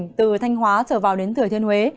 khu vực các tỉnh từ thanh hóa trở vào đến thừa thiên huế